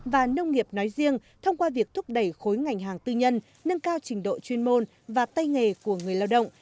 và nông nghiệp nói riêng thông qua việc thúc đẩy khối ngành hàng tư nhân nâng cao trình độ chuyên môn và tay nghề của người lao động